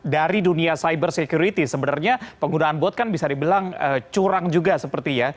dari dunia cyber security sebenarnya penggunaan bot kan bisa dibilang curang juga seperti ya